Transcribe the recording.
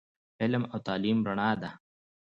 علم او تعليم رڼا ده